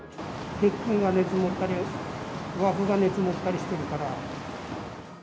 鉄筋が熱持ったり、枠が熱持ったりしてるから。